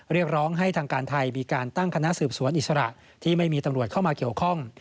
เรียกร้องให้ทางการไทยมีการตั้งคณะสืบสวนอิสระที่ไม่มีตำรวจเข้ามาเกี่ยวข้อง